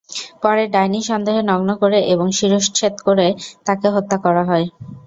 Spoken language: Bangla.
পরে ডাইনি সন্দেহে নগ্ন করে এবং শিরশ্ছেদ করে তাঁকে হত্যা করা হয়।